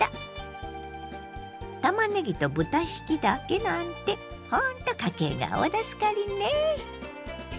たまねぎと豚ひきだけなんてほんと家計が大助かりね。